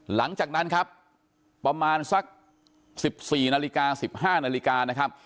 หลังจากนั้นครับประมาณสัก๑๔นาฬิกา๑๕นาฬิกานะครับ